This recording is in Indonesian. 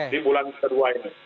di bulan kedua ini